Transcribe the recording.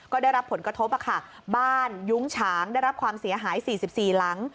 ก็ได้รับผลกระทบค่ะบ้านยุ้งฉางได้รับความเสียหายสี่สิบสี่หลัง